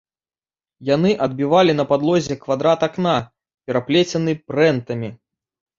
Яны адбівалі на падлозе квадрат акна, пераплецены прэнтамі.